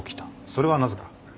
それはなぜか。